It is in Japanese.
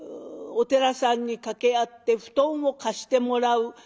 お寺さんに掛け合って布団を貸してもらう。